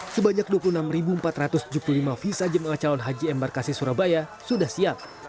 sebanyak dua puluh enam empat ratus tujuh puluh lima visa jemaah calon haji embarkasi surabaya sudah siap